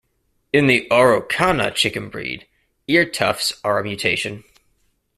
In the Araucana chicken breed, ear tufts are a mutation.